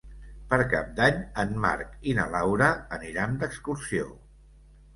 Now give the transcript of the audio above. Per Cap d'Any en Marc i na Laura aniran d'excursió.